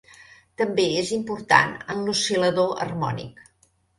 També és important en l'oscil·lador harmònic.